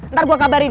ntar gue kabarin ya